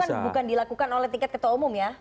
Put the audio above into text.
itu kan bukan dilakukan oleh tiket ketua umum ya